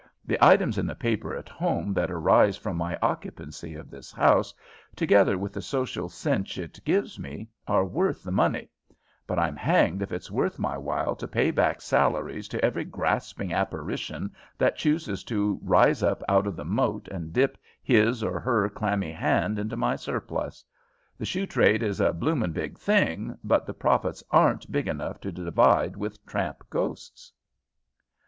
"The items in the papers at home that arise from my occupancy of this house, together with the social cinch it gives me, are worth the money; but I'm hanged if it's worth my while to pay back salaries to every grasping apparition that chooses to rise up out of the moat and dip his or her clammy hand into my surplus. The shoe trade is a blooming big thing, but the profits aren't big enough to divide with tramp ghosts."